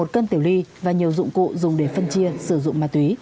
một cân tiểu ly và nhiều dụng cụ dùng để phân chia sử dụng ma túy